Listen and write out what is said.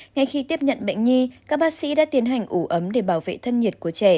ngay khi tiếp nhận bệnh nhi các bác sĩ đã tiến hành ủ ấm để bảo vệ thân nhiệt của trẻ